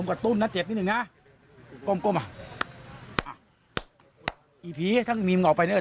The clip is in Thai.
ไอ้ผีถ้ามีมออกไปเนี่ย